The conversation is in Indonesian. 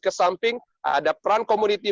kesamping ada peran community